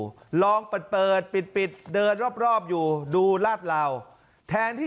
ไม่ได้ล็อกประตูลองเปิดปิดเดินรอบอยู่ดูลาดลาวแทนที่